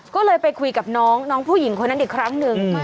ก็เลยไปคุยกับน้องผู้หญิงคนนั้นอีกครั้งหนึ่ง